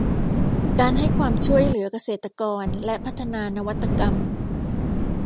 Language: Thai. การให้ความช่วยเหลือเกษตรกรและพัฒนานวัตกรรม